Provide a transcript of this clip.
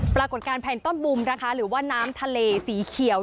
ปรากฏการณ์แผนต้อนบุมนะคะหรือว่าน้ำทะเลสีเขียว